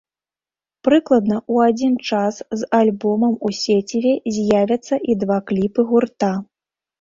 Прыкладна ў адзін час з альбомам у сеціве з'явяцца і два кліпы гурта.